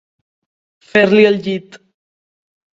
Fer-li el llit.